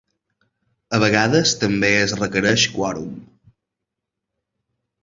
A vegades també es requereix quòrum.